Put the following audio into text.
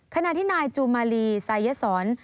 คณะที่นายจูมาลีซายยสอน